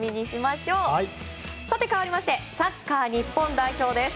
サッカー日本代表